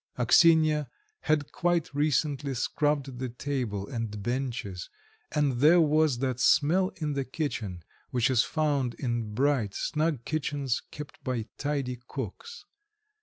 Axinya had quite recently scrubbed the table and benches, and there was that smell in the kitchen which is found in bright, snug kitchens kept by tidy cooks.